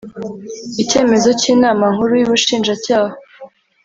Icyemezo cy Inama Nkuru y Ubushinjacyaha